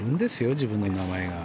自分の名前が。